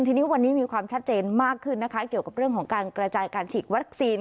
ทีนี้วันนี้มีความชัดเจนมากขึ้นนะคะเกี่ยวกับเรื่องของการกระจายการฉีดวัคซีน